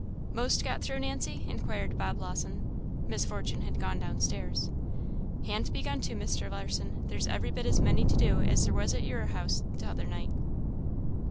" 'Most got through, Nancy?" inquired Bob Lawson. (Miss Fortune had gone downstairs.) "Han't begun to, Mr. Lawson. There's every bit as many to do as there was at your house t'other night."